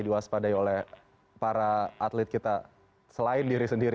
diwaspadai oleh para atlet kita selain diri sendiri